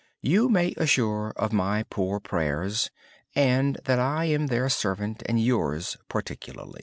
You may assure M of my poor prayers, and that I am their servant, and yours particularly.